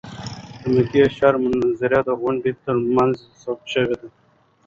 د مکې ښار منظره د غونډیو تر منځ ثبت شوې ده.